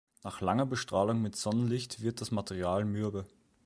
Nach langer Bestrahlung mit Sonnenlicht wird das Material mürbe.